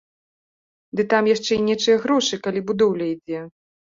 Ды там яшчэ і нечыя грошы, калі будоўля ідзе.